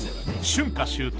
春夏秋冬」